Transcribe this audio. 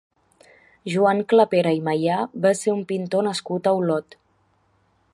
Joan Clapera i Mayà va ser un pintor nascut a Olot.